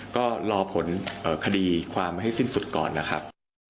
ก็รอผลคดีความให้สิ้นสุดก่อนนะครับ